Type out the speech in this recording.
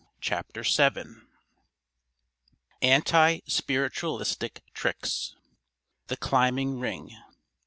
CHAPTER VII ANTI SPIRITUALISTIC TRICKS The Climbing Ring.